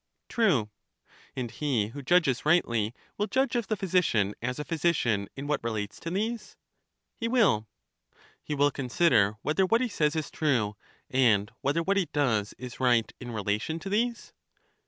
True. And he who judges rightly will judge of the physi cian as a physician in what relates to these? He wiU. He will consider whether what he says is true, and whether what he does is right in relation to these?